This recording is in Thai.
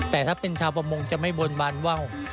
แต่ถ้าเป็นชาวประมงจะไม่บนบานว่าว